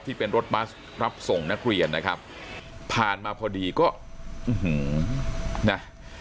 ที่เป็นรถบัสรับส่งนักเรียนนะครับผ่านมาพอดีก็อื้อหือนะ